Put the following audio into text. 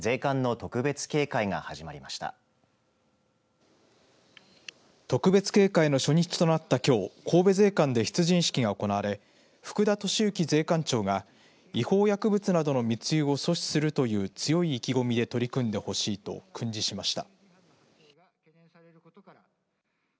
特別警戒の初日となったきょう神戸税関で出陣式が行われ福田敏行税関長が違法薬物などの密輸を阻止するという強い意気込みで取り組んでほしいと訓示しました。